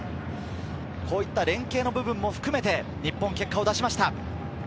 こういった連携の部分も含めて日本、結果を出しました。